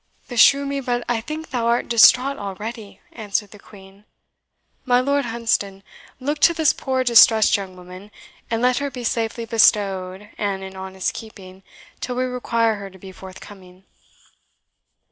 "Beshrew me, but I think thou art distraught already," answered the Queen. "My Lord Hunsdon, look to this poor distressed young woman, and let her be safely bestowed, and in honest keeping, till we require her to be forthcoming."